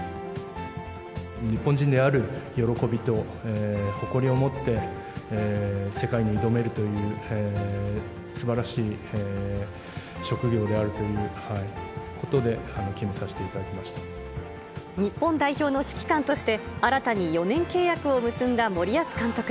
日本人である喜びと誇りを持って、世界に挑めるというすばらしい職業であるということで、決めさせ日本代表の指揮官として、新たに４年契約を結んだ森保監督。